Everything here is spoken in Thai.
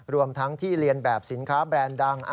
รวมทั้งที่เรียนแบบสินค้าแบรนด์ดัง